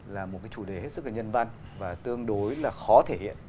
là một cái chủ đề hết sức là nhân văn và tương đối là khó thể hiện